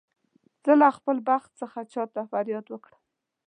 زه له خپل بخت څخه چا ته فریاد وکړم.